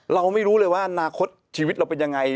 เราไม่รู้เลยว่าอนาคตชีวิตเราเป็นยังไง